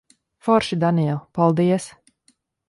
Forši, Daniel. Paldies.